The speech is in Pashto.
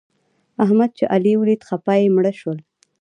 احمد چې علي وليد؛ خپه يې مړه شول.